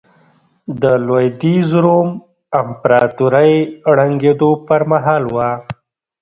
د لوېدیځ روم امپراتورۍ ړنګېدو پرمهال وه.